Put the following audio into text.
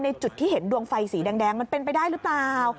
จุดที่เห็นดวงไฟสีแดงมันเป็นไปได้หรือเปล่า